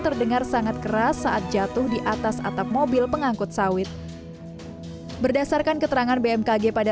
terdengar sangat keras saat jatuh di atas atap mobil pengangkut sawit berdasarkan keterangan bmkg pada